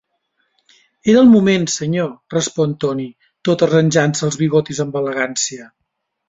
"Era el moment, senyor", respon Tony, tot arranjant-se els bigotis amb elegància.